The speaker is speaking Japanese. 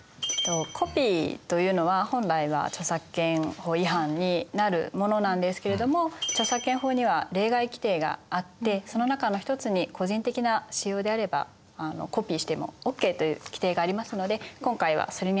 コピーというのは本来は著作権法違反になるものなんですけれども著作権には例外規定があってその中の一つに個人的な使用であればコピーしてもＯＫという規定がありますので今回はそれに当たるだろうと考えられます。